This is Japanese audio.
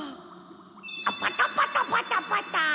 パタパタパタパタ！